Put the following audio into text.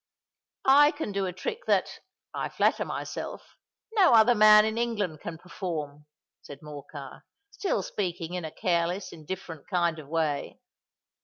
"I can do a trick that, I flatter myself, no other man in England can perform," said Morcar, still speaking in a careless, indifferent kind of way.